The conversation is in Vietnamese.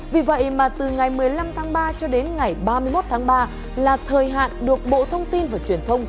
vì vậy mà từ ngày một mươi năm tháng ba cho đến ngày ba mươi một tháng ba là thời hạn được bộ thông tin và truyền thông